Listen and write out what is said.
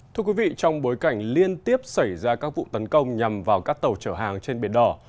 thưa quý vị trong bối cảnh liên tiếp xảy ra các vụ tấn công nhằm vào các tàu chở hàng trên biển đỏ